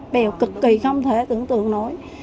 bèo cực kỳ không thể tưởng tượng nổi